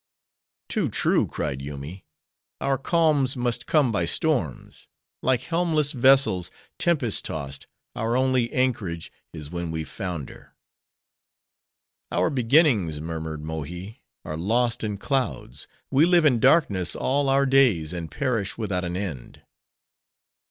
"Too true!" cried Yoomy. "Our calms must come by storms. Like helmless vessels, tempest tossed, our only anchorage is when we founder." "Our beginnings," murmured Mohi, "are lost in clouds; we live in darkness all our days, and perish without an end."